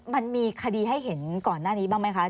มันมีคดีให้เห็นก่อนหน้านี้บ้างไหมคะ